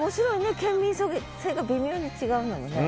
県民性が微妙に違うのもね。